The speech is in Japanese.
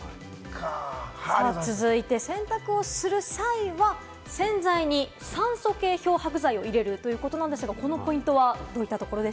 続いて洗濯をする際は、洗剤に酸素系漂白剤を入れるということなんですが、このポイントは？